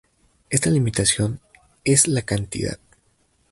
Esta limitación es la cantidad.